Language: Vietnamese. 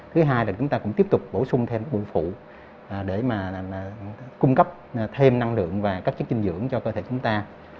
thứ hai là chúng ta cũng tiếp tục bổ sung thêm bụi phụ để mà cung cấp thêm năng lượng và các chất dinh dưỡng cho cơ thể chúng ta